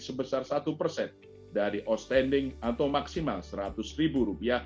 sebesar satu persen dari outstanding atau maksimal rp seratus